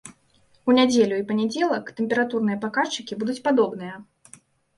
У нядзелю і панядзелак тэмпературныя паказчыкі будуць падобныя.